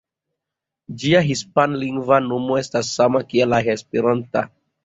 Ĝia hispanlingva nomo estas sama kiel la esperanta.